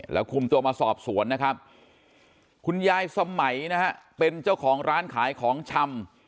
แล้วคุมตัวมาสอบสวนนะครับคุณยายสมัยนะฮะเป็นเจ้าของร้านขายของชำ